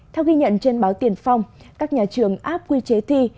theo ghi nhận trên báo tiền phong các nhà trường áp quy chế thi